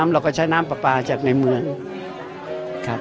เราก็ใช้น้ำปลาปลาจากในเมืองครับ